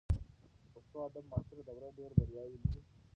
د پښتو ادب معاصره دوره ډېر بریاوې لري.